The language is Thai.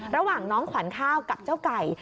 ระหว่างน้องขวัญข้าวกับเจ้าไก่